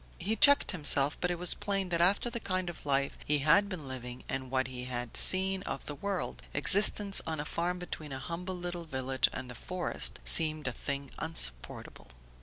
He checked himself, but it was plain that after the kind of life he had been living and what he had seen of the world, existence on a farm between a humble little village and the forest seemed a thing insupportable.